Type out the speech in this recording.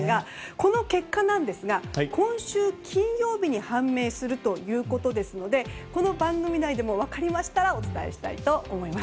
この結果なんですが今週金曜日に判明するということですのでこの番組内でも分かりましたらお伝えしたいと思います。